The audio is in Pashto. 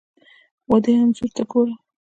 ودې انځور ته ګوره!